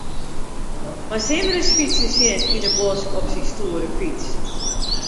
Moatst him ris fytsen sjen yn 'e bosk op syn stoere fyts.